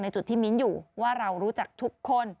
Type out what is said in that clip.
จุดที่มิ้นอยู่ว่าเรารู้จักทุกคน